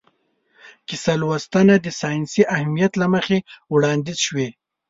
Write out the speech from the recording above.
کیسه لوستنه د ساینسي اهمیت له مخې وړاندیز شوې.